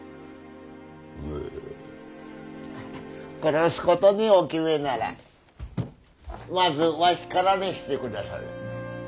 殺すことにお決めならまずわひからにしてくだされ。